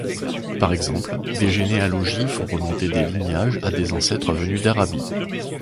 Par exemple, des généalogies font remonter les lignages à des ancêtres venus d'Arabie.